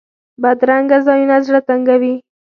بدرنګه ځایونه زړه تنګوي